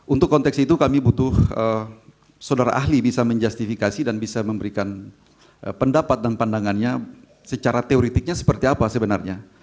untuk konteks itu kami butuh saudara ahli bisa menjustifikasi dan bisa memberikan pendapat dan pandangannya secara teoretiknya seperti apa sebenarnya